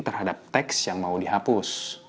terhadap teks yang mau dihapus